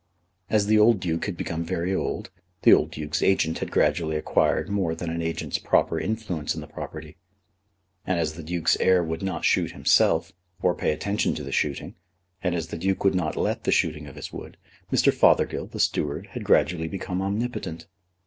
As the old Duke had become very old, the old Duke's agent had gradually acquired more than an agent's proper influence in the property; and as the Duke's heir would not shoot himself, or pay attention to the shooting, and as the Duke would not let the shooting of his wood, Mr. Fothergill, the steward, had gradually become omnipotent.